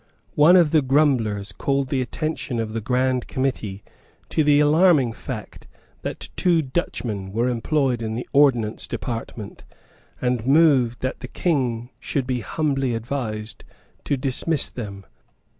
One of the grumblers called the attention of the Grand Committee to the alarming fact that two Dutchmen were employed in the Ordnance department, and moved that the King should be humbly advised to dismiss them.